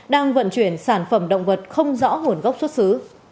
đang vận chuyển sản phẩm động vật không rõ nguồn gốc xuất xứ